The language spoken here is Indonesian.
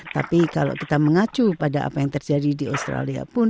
tapi kalau kita mengacu pada apa yang terjadi di australia pun